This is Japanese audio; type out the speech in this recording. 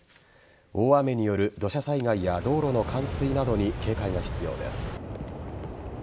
大雨による土砂災害や道路の冠水などに警戒が必要です。